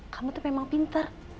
kamu tuh memang pintar